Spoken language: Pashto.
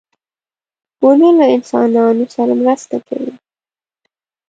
• ونه له انسانانو سره مرسته کوي.